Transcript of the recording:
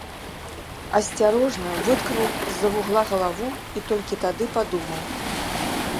Асцярожна выткнуў з-за вугла галаву і толькі тады падумаў.